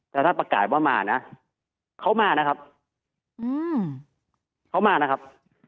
แต่ถ้าประกาศว่ามานะเขามานะครับเขามานะครับ